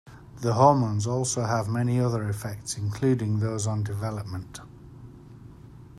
The hormones also have many other effects including those on development.